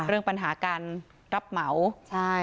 เรื่องปัญหาการรับเหมาใช่